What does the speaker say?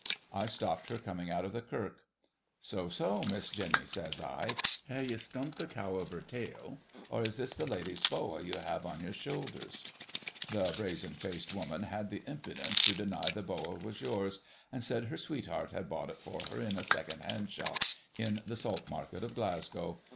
I stopped her coming out of the kirk. So So, Miss Jeny (says I) hae ye stumped the cow of her tale> or is this the ladies Bowa ye have on your sholders ? The brazen faced woman had the impudence to deny the Bowa was yours, and said her sweetheart had bot it for her in a secondhand shop in the Salt Market of Glasgow.